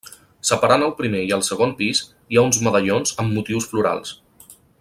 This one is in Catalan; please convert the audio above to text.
Separant el primer i el segon pis hi ha uns medallons amb motius florals.